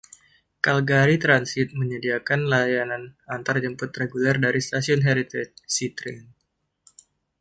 Calgary Transit menyediakan layanan antar jemput reguler dari stasiun Heritage C-Train.